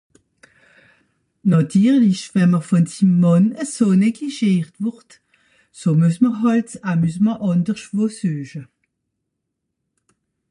Nàtirlich, wenn m’r vùn sim Mànn eso neglischiert wùrd, ze muess m’r hàlt ’s Amusement àndersch wo sueche.